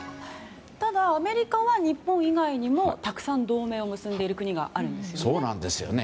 ただアメリカは日本以外にも、たくさん同盟を結んでいる国があるんですよね。